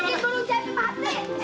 bikin burung cepi pasti